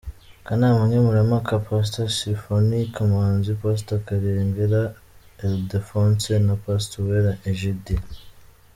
Akanama nkemurampaka: Pastor Symphorien Kamanzi, Pastor Karengera Ildephonse na Pastor Uwera Egidia.